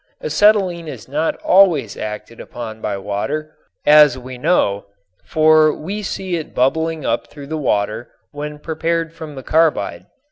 Acetylene is not always acted upon by water, as we know, for we see it bubbling up through the water when prepared from the carbide.